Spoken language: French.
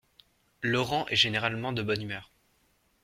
Laurent est généralement de bonne humeur.